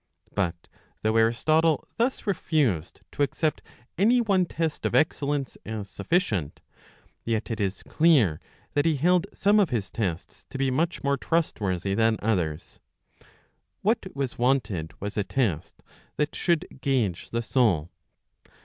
*' But though Aristotle thus refused to accept any one test of excellence as sufficient, yet it is clear that he held some of his tests to be much more trustworthy than others. What was wanted was a test that should gauge the soul.